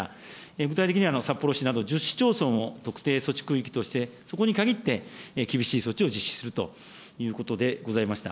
具体的には札幌市など、１０市町村を特定措置区域として、そこに限って、厳しい措置を実施するということでございました。